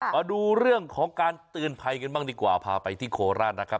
มาดูเรื่องของการเตือนภัยกันบ้างดีกว่าพาไปที่โคราชนะครับ